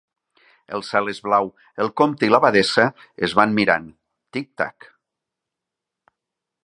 El cel és blau, el comte i l’abadessa es van mirant. Tic-tac...